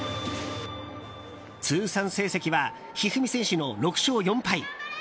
通算成績は一二三選手の６勝４敗。